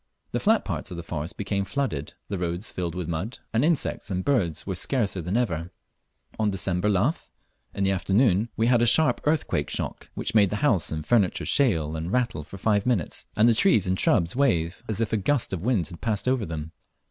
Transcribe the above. The flat parts of the forest became flooded, the roads filled with mud, and insects and birds were scarcer than ever. On December Lath, in the afternoon, we had a sharp earthquake shock, which made the house and furniture shale and rattle for five minutes, and the trees and shrubs wave as if a gust of wind had passed over them.